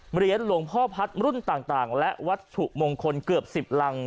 เหรียญหลวงพ่อพัฒน์รุ่นต่างและวัตถุมงคลเกือบ๑๐รัง